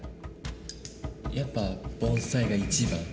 やっぱ盆栽が一番。